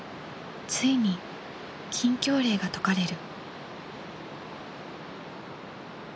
ついに禁教令が解かれる。